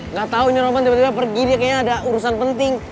nggak tahu ini roman tiba tiba pergi dia kayaknya ada urusan penting